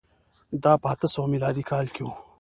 دا په اته سوه میلادي کال کي و.